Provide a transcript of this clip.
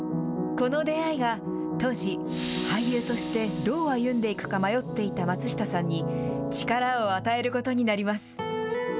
この出会いが当時、俳優としてどう歩んでいくか迷っていた松下さんに、力を与えることになります。